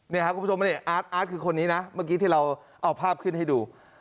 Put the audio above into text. นี่ครับคุณผู้ชมนี่อาร์ตอาร์ตคือคนนี้นะเมื่อกี้ที่เราเอาภาพขึ้นให้ดู